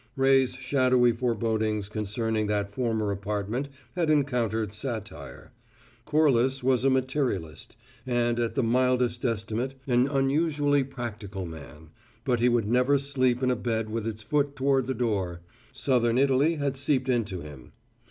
Ray's shadowy forebodings concerning that former apartment had encountered satire: Corliss was a "materialist" and, at the mildest estimate, an unusually practical man, but he would never sleep in a bed with its foot toward the door; southern Italy had seeped into him.